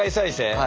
はい。